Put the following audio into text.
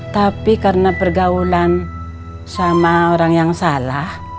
tapi karena pergaulan sama orang yang salah